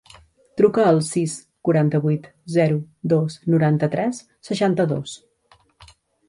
Truca al sis, quaranta-vuit, zero, dos, noranta-tres, seixanta-dos.